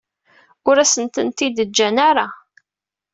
Ur asent-tent-id-ǧǧan ara.